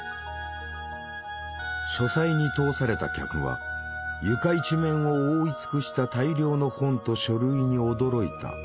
書斎に通された客は床一面を覆い尽くした大量の本と書類に驚いた。